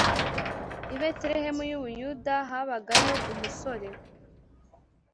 I Betelehemu y i Buyuda habagayo umusore